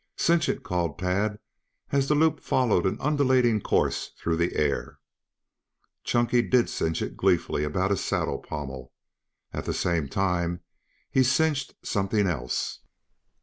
"Cinch it!" called Tad as the loop followed an undulating course through the air. Chunky did cinch it gleefully about his saddle pommel. At the same time he cinched something else.